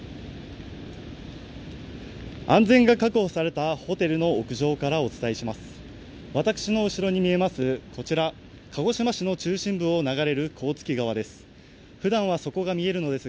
安全が確保されたホテルの屋上からお伝えします。